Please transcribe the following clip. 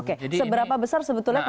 oke seberapa besar sebetulnya